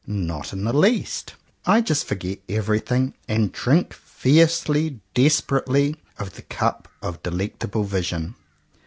Not in the least. I just forget everything, and drink fiercely, desperately, of the cup of delectable vision.